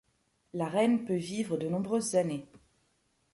La reine peut vivre de nombreuses années.